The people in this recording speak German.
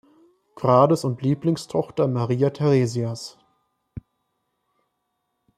Grades und Lieblingstochter Maria Theresias.